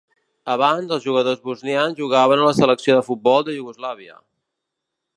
Abans, els jugadors bosnians jugaven a la selecció de futbol de Iugoslàvia.